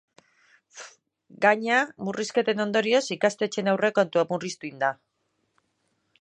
Gainera, murrizketen ondorioz ikastetxeen aurrekontua murriztu egin da.